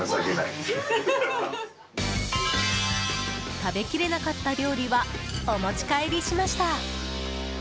食べきれなかった料理はお持ち帰りしました。